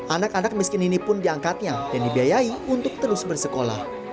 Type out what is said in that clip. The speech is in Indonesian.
anak anak miskin ini pun diangkatnya dan dibiayai untuk terus bersekolah